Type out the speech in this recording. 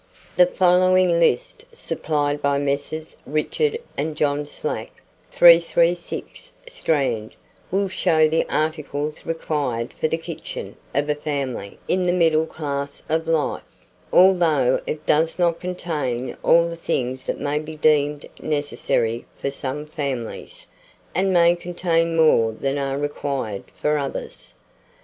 The following list, supplied by Messrs. Richard & John Slack, 336, Strand, will show the articles required for the kitchen of a family in the middle class of life, although it does not contain all the things that may be deemed necessary for some families, and may contain more than are required for others.